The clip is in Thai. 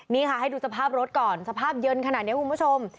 นี่ค่ะให้ดูสภาพรถก่อนสภาพเย็นขนาดนี้คุณผู้ชม